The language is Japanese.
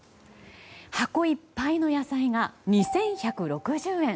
箱いっぱいの野菜が２１６０円。